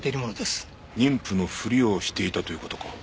妊婦のふりをしていたという事か。